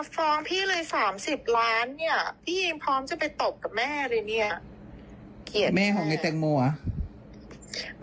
เกลียดแม่แม่ของไอ้แตงโมเหรอ